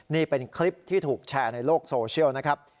นี่เป็นคลิปที่ถูกแชร์ในโลกโซเชียลนะครับ